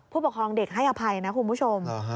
ผู้ปกครองเด็กให้อภัยนะคุณผู้ชม